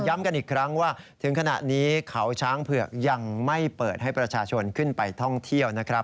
กันอีกครั้งว่าถึงขณะนี้เขาช้างเผือกยังไม่เปิดให้ประชาชนขึ้นไปท่องเที่ยวนะครับ